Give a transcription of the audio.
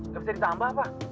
gak bisa ditambah apa